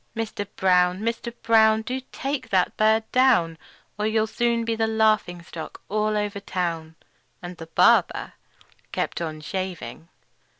Mister Brown! Mister Brown! Do take that bird down, Or you'll soon be the laughing stock all over town!" And the barber kept on shaving.